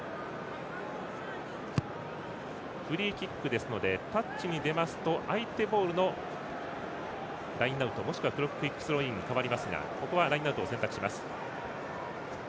フリーキックですのでタッチに出ますと相手ボールのラインアウトもしくはクイックスローインに変わりますがここはラインアウトを選択します。